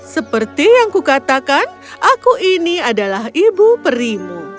seperti yang kukatakan aku ini adalah ibu perimu